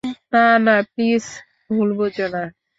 না, না, প্লিজ ভুল বুঝো না!